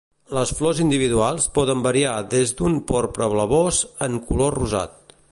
Les flors individuals poden variar des d'un porpra blavós en color rosat.